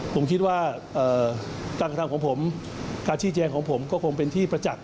ผมคิดว่าการกระทำของผมการชี้แจงของผมก็คงเป็นที่ประจักษ